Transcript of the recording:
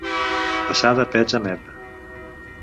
Passar de pets a merda.